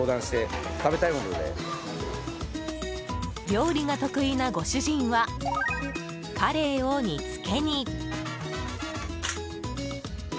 料理が得意なご主人はカレイを煮付けに。